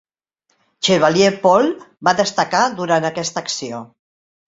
Chevalier Paul va destacar durant aquesta acció.